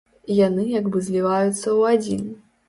Яны як бы зліваюцца ў адзін.